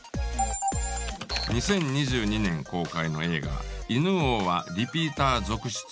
２０２２年公開の映画「犬王」はリピーター続出。